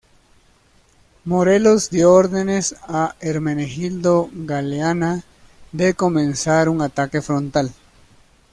Morelos dio órdenes a Hermenegildo Galeana de comenzar un ataque frontal.